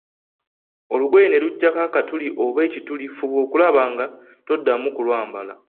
Olugoye ne lujjako akatuli oba ekituli, fuba okulaba nga toddamu kulwambala.